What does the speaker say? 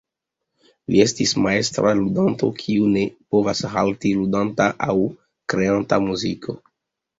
Li estis majstra ludanto kiu ne povas halti ludanta aŭ kreanta muziko.